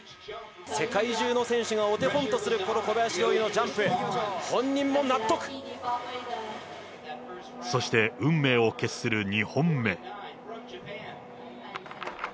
世界中の選手がお手本とする、この小林陵侑のジャンプ、そして、運命を決する２本目。